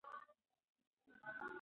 پښتو کیبورډ د لیکلو سرعت زیاتوي.